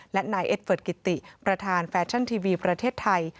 และนายเอ็ดเฟิร์ดกิติประธานแฟชั่นทีวีประเทศไทย